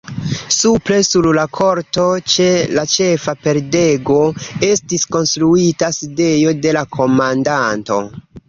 Supre sur la korto, ĉe la ĉefa pordego, estis konstruita sidejo de la komandanto.